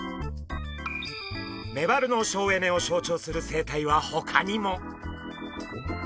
メバルの省エネを象徴する生態はほかにも。